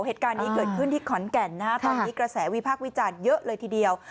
เหตุการณ์นี้เกิดขึ้นที่ขอนแก่นนะฮะตอนนี้กระแสวิพากษ์วิจารณ์เยอะเลยทีเดียว